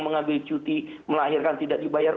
mengambil cuti melahirkan tidak dibayar